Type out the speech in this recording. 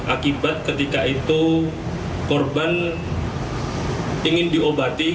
akibat ketika itu korban ingin diobati